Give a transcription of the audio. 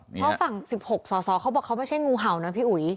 เพราะฝั่ง๑๖สอสอเขาบอกเขาไม่ใช่งูเห่านะพี่อุ๋ย